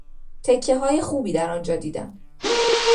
تکههای خوبی در آنجا دیدم.